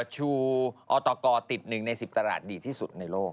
ชูอตกติด๑ใน๑๐ตลาดดีที่สุดในโลก